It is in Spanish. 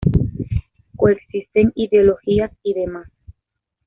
Coexisten ideologías y demás.